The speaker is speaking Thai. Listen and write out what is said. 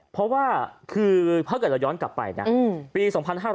เพราะว่าภัคกฎระย้อนกลับไปปี๒๕๕๘